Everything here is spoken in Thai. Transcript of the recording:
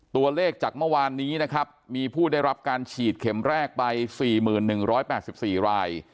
ตัวเลขจากเมื่อวานนี้นะครับมีผู้ได้รับการฉีดเข็มแรกไป๔๑๘๔ราย